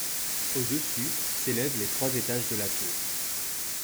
Au-dessus s’élèvent les trois étages de la tour.